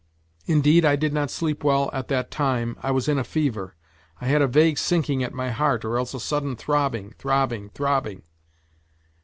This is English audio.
Indeed, I did not sleep well at that time, I was in a fever ; I had a vague sinking at my heart or else a sudden throbbing, throbbing, throbbing